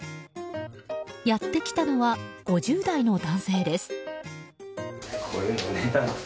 やってきたのは５０代の男性です。